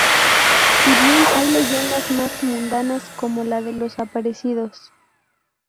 Si bien, hay leyendas más mundanas como la de los aparecidos.